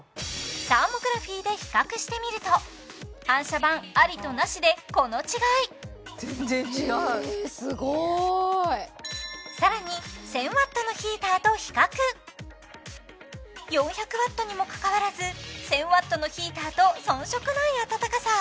サーモグラフィーで比較してみると反射板ありとなしでこの違い全然違うへえすごいさらに１０００Ｗのヒーターと比較４００Ｗにもかかわらず１０００Ｗのヒーターと遜色ないあたたかさ